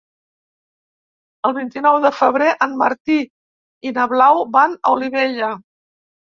El vint-i-nou de febrer en Martí i na Blau van a Olivella.